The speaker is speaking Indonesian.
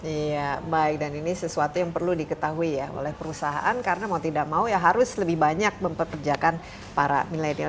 iya baik dan ini sesuatu yang perlu diketahui ya oleh perusahaan karena mau tidak mau ya harus lebih banyak mempekerjakan para milenial